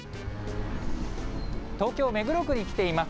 東京・目黒区に来ています。